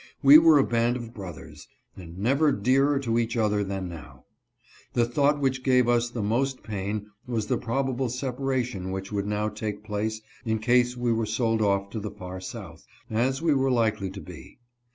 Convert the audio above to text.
We were a band of brothers, and never dearer to each other than now. The thought which gave us the most pain was the probable separation which would now take WHO BETRAYED THEM ? 213 place in case we were sold off to the far South, as we were likely to be.